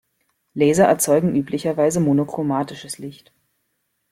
Laser erzeugen üblicherweise monochromatisches Licht.